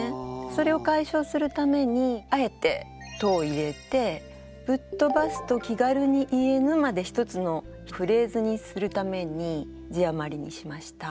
それを解消するためにあえて「と」を入れて「ぶっとばすと気軽に言えぬ」まで１つのフレーズにするために字余りにしました。